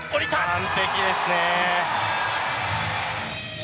完璧ですね！